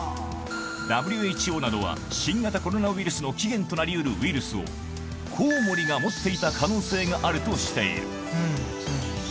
ＷＨＯなどは、新型コロナウイルスの起源となりうるウイルスを、コウモリが持っていた可能性があるとしている。